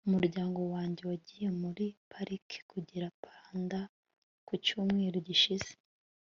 umuryango wanjye wagiye muri pariki kureba panda ku cyumweru gishize